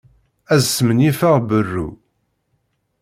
Ad smenyifeɣ berru.